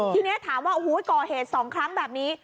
ทีนี้ถามว่าก่อเหตุสองครั้งแบบนี้